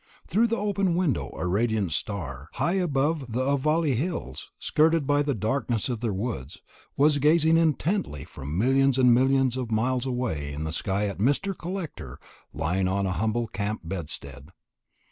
Through the open window a radiant star, high above the Avalli hills skirted by the darkness of their woods, was gazing intently from millions and millions of miles away in the sky at Mr. Collector lying on a humble camp bedstead.